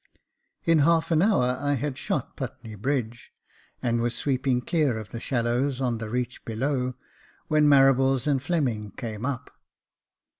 In half an hour I had shot Putney bridge, and was sweeping clear of the shallows on the reach below, when Marables and Fleming came up.